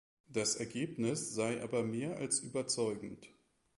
Das Ergebnis sei aber mehr als überzeugend.